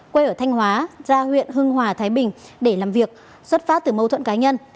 quê ở thanh hóa ra huyện hưng hòa thái bình để làm việc xuất phát từ mâu thuẫn cá nhân